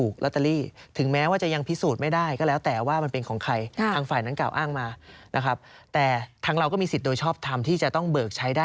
เกี่ยวข้องกับยาเสพติด